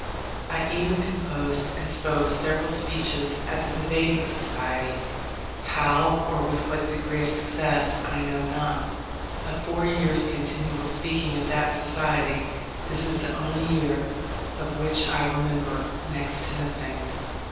I even composed and spoke several speeches at the debating society, how, or with what degree of success, I know not. Of four years' continual speaking at that society, this is the only year of which I remember next to nothing.